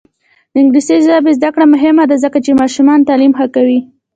د انګلیسي ژبې زده کړه مهمه ده ځکه چې ماشومانو تعلیم ښه کوي.